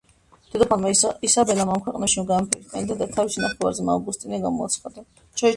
დედოფალმა ისაბელამ ამ ქვეყნებში გამეფების კანდიდატად თავისი ნახევარძმა ავგუსტინე გამოაცხადა.